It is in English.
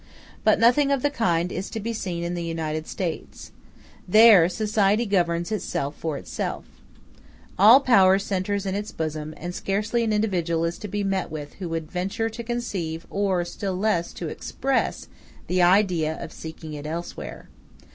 But nothing of the kind is to be seen in the United States; there society governs itself for itself. All power centres in its bosom; and scarcely an individual is to be meet with who would venture to conceive, or, still less, to express, the idea of seeking it elsewhere.